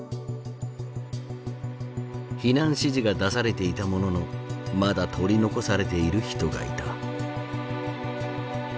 避難指示が出されていたもののまだ取り残されている人がいた。